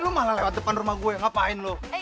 lu malah lewat depan rumah gue ngapain lo